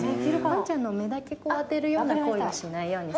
ワンちゃんの目だけ当てるような行為はしないように。